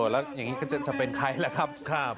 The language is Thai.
แล้วอย่างนี้ก็จะเป็นใครล่ะครับ